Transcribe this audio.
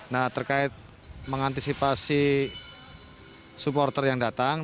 nah terkait mengantisipasi supporter yang datang